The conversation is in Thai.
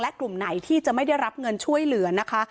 และกลุ่มไหนที่จะไม่ได้รับเงินช่วยเหลือนะคะ